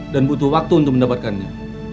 dan butuh waktu untuk mendapatkannya